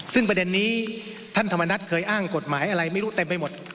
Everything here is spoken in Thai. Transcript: ซึ่งประเด็นนี้ท่านธรรมนัฐเคยอ้างกฎหมายอะไรไม่รู้เต็มไปหมด